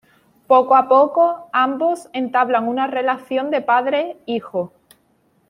Poco a poco, ambos entablan una relación de padre-hijo.